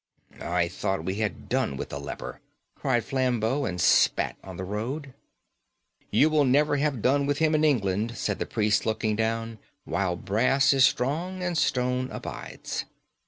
"I thought we had done with the leper," cried Flambeau, and spat on the road. "You will never have done with him in England," said the priest, looking down, "while brass is strong and stone abides.